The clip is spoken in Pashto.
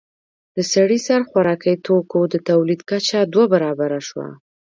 د سړي سر خوراکي توکو د تولید کچه دوه برابره شوه